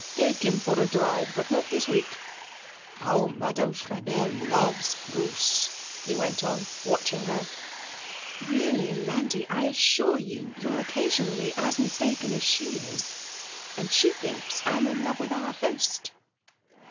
'Take him for a drive. But not this week. How Madame Frabelle loves Bruce!' he went on, watching her. 'Really, Landi, I assure you you're occasionally as mistaken as she is. And she thinks I'm in love with our host.'